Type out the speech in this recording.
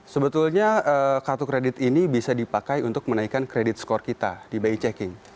sebetulnya kartu kredit ini bisa dipakai untuk menaikkan kredit skor kita di bi checking